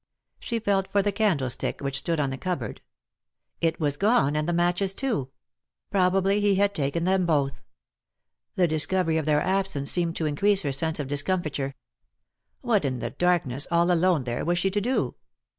She felt for the candlestick which stood on the cup board. It was gone, and the matches too ; probably he 3i 9 iii^d by Google THE INTERRUPTED KISS had taken them both. The discovery of their absence seemed to increase her sense of discomfiture. What, in the darkness, all alone there, was she to do?